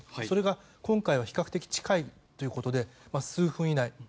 それが今回は比較的近いということで数分以内。